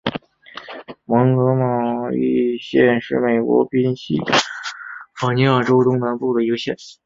蒙哥马利县是美国宾夕法尼亚州东南部的一个县。